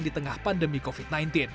di tengah pandemi covid sembilan belas